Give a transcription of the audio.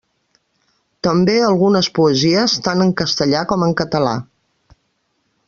També algunes poesies, tant en castellà com en català.